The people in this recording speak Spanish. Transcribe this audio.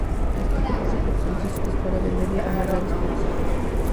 Destacó por su potencia y su disparo de media y larga distancia.